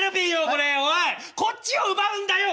これおいこっちを奪うんだよ